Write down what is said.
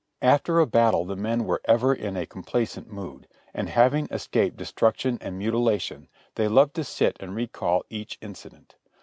After a battle the men were ever in a complacent mood, and having escaped destruction and mutilation, they loved to sit and recall each incident.